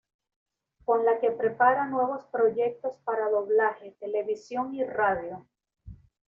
Con la que prepara nuevos proyectos para Doblaje, Televisión y Radio.